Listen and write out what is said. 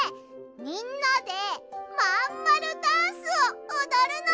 みんなで「まんまるダンス」をおどるの。